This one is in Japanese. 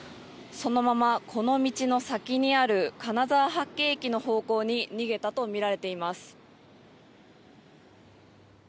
そのまま、この道の先にある金沢八景駅の方向に逃げたとみられています。